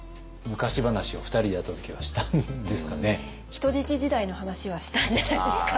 人質時代の話はしたんじゃないですか？